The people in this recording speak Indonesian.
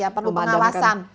ya perlu pengawasan